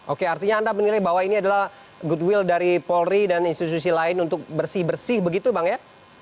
oke artinya anda menilai bahwa ini adalah goodwill dari polri dan institusi lain untuk bersih bersih begitu bang ya